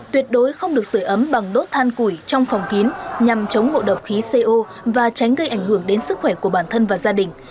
tuyệt đối không được sửa ấm bằng đốt than củi trong phòng kín nhằm chống mộ độc khí co và tránh gây ảnh hưởng đến sức khỏe của bản thân và gia đình